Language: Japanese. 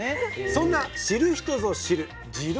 そんな知る人ぞ知る地鶏